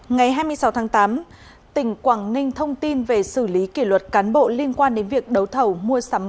ngày hai mươi sáu tháng tám tỉnh quảng ninh thông tin về xử lý kỷ luật cán bộ liên quan đến việc đấu thầu mua sắm